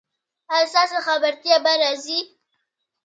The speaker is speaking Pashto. ایا ستاسو خبرتیا به راځي؟